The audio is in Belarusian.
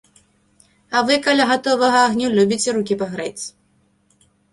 А вы каля гатовага агню любіце рукі пагрэць.